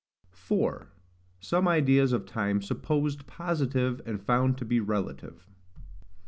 4. Some ideas of Time supposed positive and found to be relative.